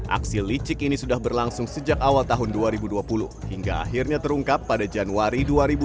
aksi licik ini sudah berlangsung sejak awal tahun dua ribu dua puluh hingga akhirnya terungkap pada januari dua ribu dua puluh